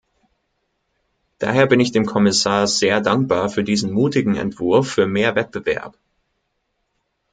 Daher bin ich dem Kommissar sehr dankbar für diesen mutigen Entwurf für mehr Wettbewerb.